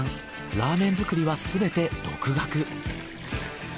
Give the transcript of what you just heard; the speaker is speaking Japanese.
ラーメン作りはすべて独学。